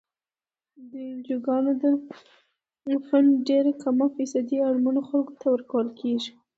د انجوګانو د فنډ ډیره کمه فیصدي اړمنو خلکو ته ورکول کیږي.